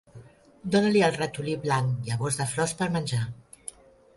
Dóna-li al ratolí blanc llavors de flors per menjar.